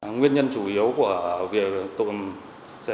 nguyên nhân chủ yếu của việc